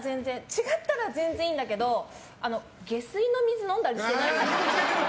違ったら全然いいんだけど下水の水飲んだりしてないよね？